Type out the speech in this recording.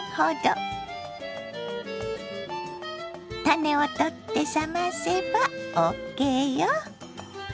種を取って冷ませばＯＫよ。